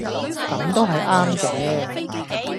噉都係啱嘅